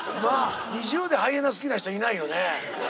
ＮｉｚｉＵでハイエナ好きな人いないよね？